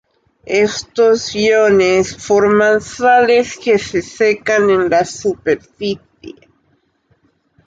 Estos iones forman sales que se secan en la superficie.